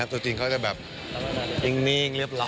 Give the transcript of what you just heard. ตัวจริงเขาจะแบบนิ่งเรียบร้อย